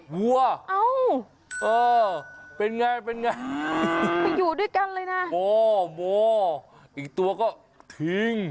วัวเป็นไงมันอยู่ด้วยกันเลยนะโม่อีกตัวก็ทิ้ง